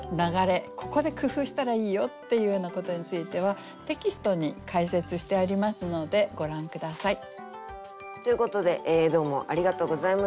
ここで工夫したらいいよっていうようなことについてはテキストに解説してありますのでご覧下さい。ということでどうもありがとうございました。